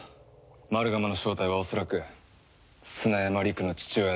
マルガムの正体は恐らく砂山理玖の父親だ。